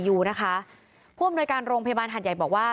ผู้อำนวยการโรงพยาบาลหาดใหญ่บอกว่า